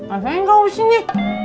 apa yang kamu lakukan di sini